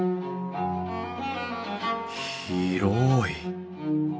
広い！